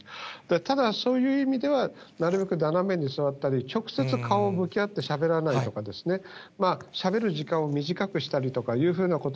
ただ、そういう意味では、なるべく斜めに座ったり、直接顔を向き合ってしゃべらないとか、しゃべる時間を短くしたりとかいうようなこと。